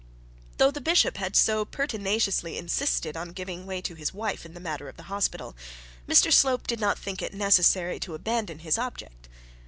Though the bishop had so pertinaciously insisted on giving way to his wife in the matter of the hospital, Mr Slope did not think it necessary to abandon the object.